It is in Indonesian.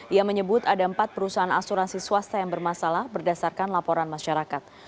ia menyebut ada empat perusahaan asuransi swasta yang bermasalah berdasarkan laporan masyarakat